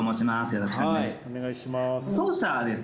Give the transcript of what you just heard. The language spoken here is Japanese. よろしくお願いします。